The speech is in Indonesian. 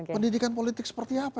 pendidikan politik seperti apa